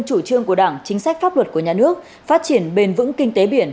chủ trương của đảng chính sách pháp luật của nhà nước phát triển bền vững kinh tế biển